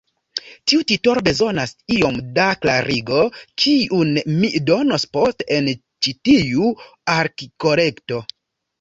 Tiu titolo bezonas iom da klarigo, kiun mi donos poste en ĉi tiu artikoleto.